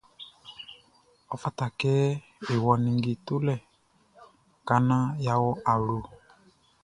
Ɔ fata kɛ e wɔ ninnge tolɛ ka naan yʼa wɔ awlo.